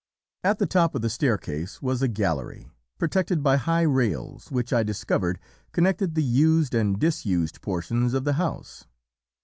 "At the top of the staircase was a gallery, protected by high rails, which I discovered connected the used and disused portions of the house.